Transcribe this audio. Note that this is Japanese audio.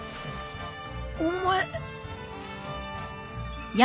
お前。